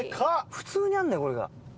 普通にあるんだよこれが。